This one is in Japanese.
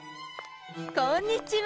こんにちは。